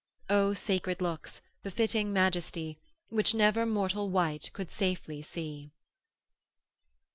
———O sacred looks, befitting majesty, Which never mortal wight could safely see.